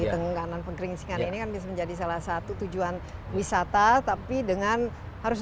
tengganan pengkering singar ini kan bisa menjadi salah satu tujuan wisata tapi dengan harus